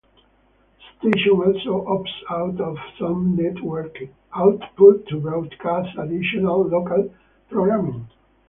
The station also opts out of some networked output to broadcast additional local programming.